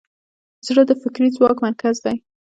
زړه د فکري ځواک مرکز دی.